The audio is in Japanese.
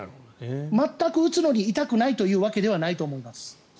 全く打つのに痛くないというわけではないと思います。